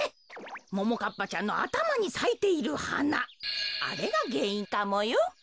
ももかっぱちゃんのあたまにさいているはなあれがげんいんかもよ。